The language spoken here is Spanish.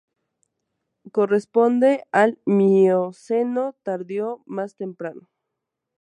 Corresponde al Mioceno tardío más temprano.